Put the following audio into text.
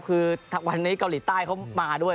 คือทักวันในเกาหลีใต้เขามาด้วย